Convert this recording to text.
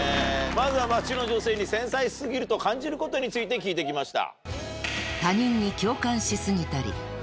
まずは街の女性に繊細過ぎると感じることについて聞いてきました。